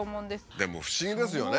でも不思議ですよね。